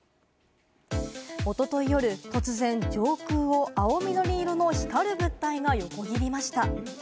おととい夜、突然上空を青緑色の光る物体が横切りました。